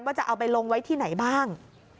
จะเอาไปลงไว้ที่ไหนบ้าง